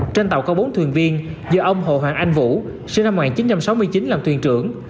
trên tàu có bốn thuyền viên do ông hồ hoàng anh vũ sinh năm một nghìn chín trăm sáu mươi chín làm thuyền trưởng